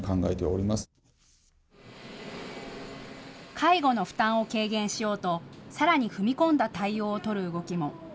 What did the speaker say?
介護の負担を軽減しようとさらに踏み込んだ対応を取る動きも。